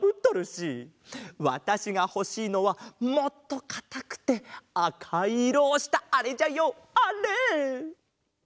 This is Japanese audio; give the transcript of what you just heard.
わたしがほしいのはもっとかたくてあかいいろをしたあれじゃよあれ！